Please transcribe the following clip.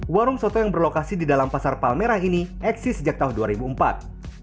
warung soto yang berlokasi di dalam pasar palmerah ini eksis sejak tahun dua ribu empat